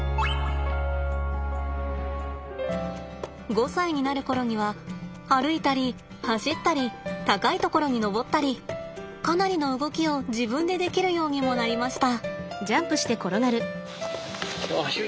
５歳になる頃には歩いたり走ったり高い所に登ったりかなりの動きを自分でできるようにもなりました。